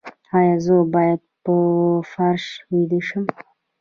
ایا زه باید په فرش ویده شم؟